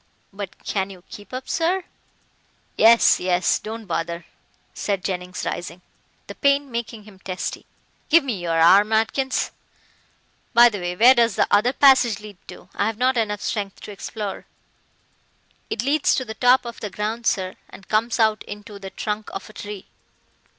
"But can you keep up, sir?" "Yes, yes don't bother," said Jennings, rising, the pain making him testy, "give me your arm, Atkins. By the way, where does the other passage lead to? I have not enough strength to explore." "It leads to the top of the ground, sir, and comes out into the trunk of a tree."